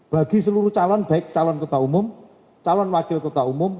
bagi seluruh calon baik calon ketua umum calon wakil ketua umum